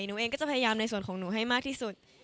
หนูเองก็จะพยายามในส่วนของหนูให้มากที่สุด